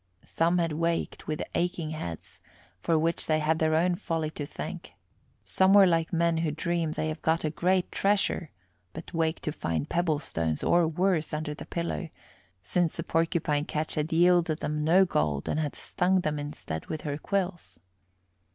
Some had waked with aching heads, for which they had their own folly to thank; some were like men who dream they have got a great treasure but wake to find pebblestones or worse under the pillow: since the Porcupine ketch had yielded them no gold and had stung them instead with her quills.